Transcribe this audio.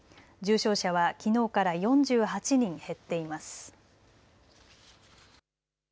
重症者はきのうから４８人減っています。